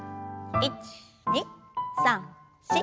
１２３４。